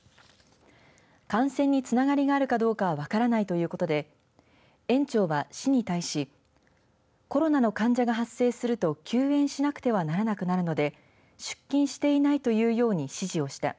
感染につながりがあるかどうかは分からないということで園長は市に対しコロナの患者が発生すると休園しなくてはならなくなるので出勤していないというように指示をした。